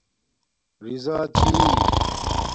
رضآچھی